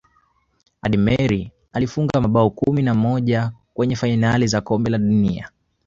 ademir alifunga mabao kumi na moja kwenye fainali za kombe la dunia